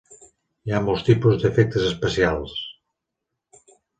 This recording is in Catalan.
Hi ha molts tipus d'efectes especials.